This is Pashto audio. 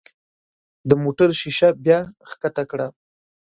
د موټر ښيښه بیا ښکته کړه.